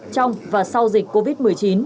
trong và sau dịch covid một mươi chín